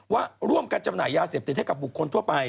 ว่าร่วมกันจำหน่ายยาเสพติดให้กับบุคคลทั่วไป